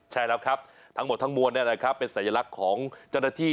ใช่แล้วครับทั้งหมดทั้งมวลเป็นสัญลักษณ์ของเจ้าหน้าที่